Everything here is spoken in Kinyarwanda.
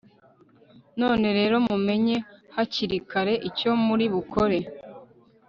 none rero, mumenye hakiri kare icyo muri bukore